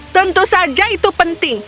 tentu saja itu penting